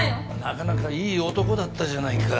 なかなかいい男だったじゃないか。